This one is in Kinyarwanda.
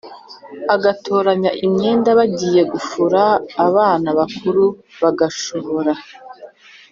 Agatoranya imyenda bagiye gufura abana bakuru bashobora